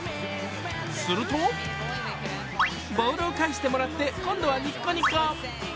するとボールを返してもらって今度はニッコニコ。